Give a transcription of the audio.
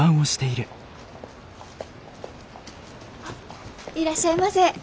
あっいらっしゃいませ。